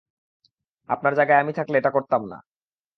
আপনার জায়গায় আমি থাকলে এটা করতাম না।